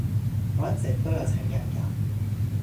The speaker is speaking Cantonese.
我一直都有請人架